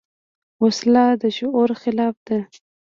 وسله د شعور خلاف ده